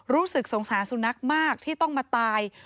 รู้สึกสงสารสุนัขมากที่ต้องมาตาย